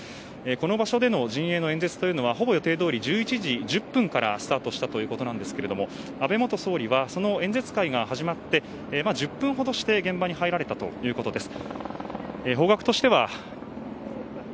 この場所での陣営の演説というのはほぼ予定どおり１１時１０分からスタートしたということですが安倍元総理はその演説会が始まって１０分ほどして現場に入られたということです。